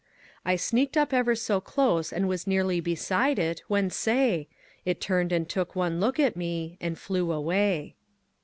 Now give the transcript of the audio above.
I sneaked up ever so close and was nearly beside it, when say! It turned and took one look at me, and flew away.